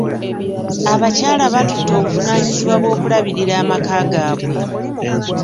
Abakyala batutte obuvunaanyizibwa bw'okulabirira amaka gaabwe.